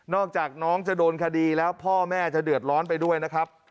อกจากน้องจะโดนคดีแล้วพ่อแม่จะเดือดร้อนไปด้วยนะครับ